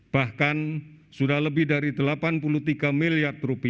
bahkan sudah lebih dari delapan puluh tiga miliar rupiah telah ditribusi